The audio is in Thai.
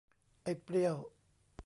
ไอ้เปรี้ยว